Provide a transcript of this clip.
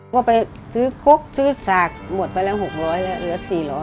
ก็ไปซื้อคกซื้อสากหมดไปแล้ว๖๐๐แล้วเหลือ๔๐๐